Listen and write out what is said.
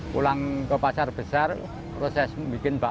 pulang ke pasar besar proses membuatnya